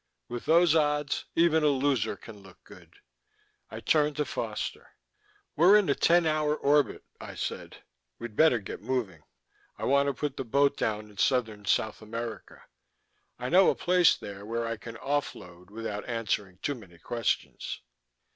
"With those odds, even a loser can look good." I turned to Foster. "We're in a ten hour orbit," I said. "We'd better get moving. I want to put the boat down in southern South America. I know a place there where I can off load without answering too many questions."